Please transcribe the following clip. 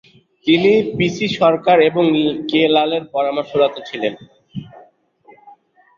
তিনি P C Sarkar এবং K লালের পরামর্শদাতা ছিলেন।